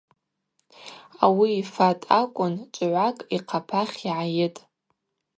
Ауи йфатӏ акӏвын чӏвгӏвакӏ йхъапахь йгӏайытӏ.